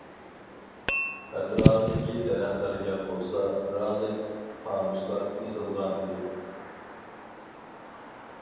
ئەتراپىدىكى دەرەخلەرگە بولسا، رەڭلىك پانۇسلار ئېسىلغان ئىدى.